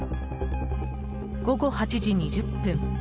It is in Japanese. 午後８時２０分。